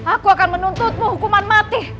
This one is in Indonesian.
aku akan menuntutmu hukuman mati